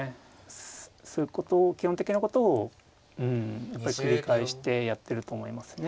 そういうこと基本的なことをやっぱり繰り返してやってると思いますね。